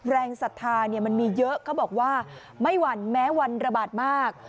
แรงศรัทธามันมีเยอะเขาบอกว่าไม่หวั่นแม้วันระบาดมาก